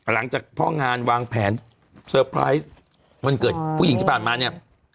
หลังจากพ่องานวางแผนเซอร์ไพรส์วันเกิดผู้หญิงที่ผ่านมาเนี่ย